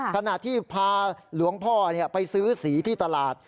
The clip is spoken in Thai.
ขณะที่พาหลวงพ่อไปซื้อสีที่ตลาด